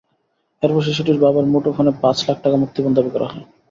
এরপর শিশুটির বাবার মুঠোফোনে পাঁচ লাখ টাকা মুক্তিপণ দাবি করা হয়।